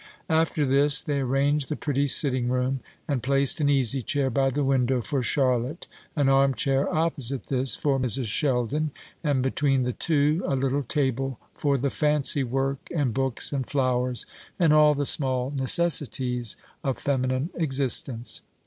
After this they arranged the pretty sitting room, and placed an easy chair by the window for Charlotte, an arm chair opposite this for Mrs. Sheldon, and between the two a little table for the fancy work and books and flowers, and all the small necessities of feminine existence.